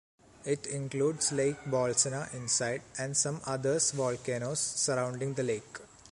It includes Lake Bolsena inside and some others volcanoes surrounding the lake.